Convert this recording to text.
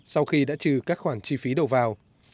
sau khi đã trừ các khoản chi phí đầu vào